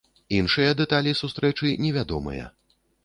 Іншыя дэталі сустрэчы невядомыя.